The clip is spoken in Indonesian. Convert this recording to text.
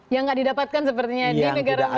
yang tidak didapatkan sepertinya di negara mereka